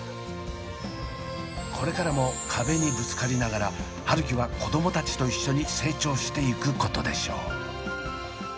これからも壁にぶつかりながら春輝は子どもたちと一緒に成長していくことでしょう！